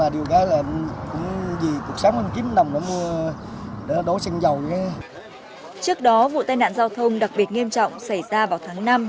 trước đó vụ tai nạn giao thông đặc biệt nghiêm trọng xảy ra vào tháng năm năm hai nghìn tám